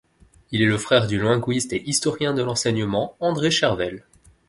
Il est le frère du linguiste et historien de l'enseignement André Chervel.